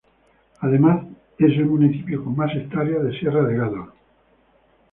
Además es el municipio con más hectáreas de Sierra de Gádor.